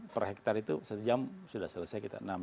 per hektare itu satu jam sudah selesai kita enam